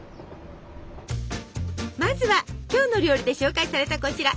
まずは「きょうの料理」で紹介されたこちら！